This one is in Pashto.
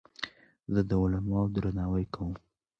زه د علماوو درناوی کوم.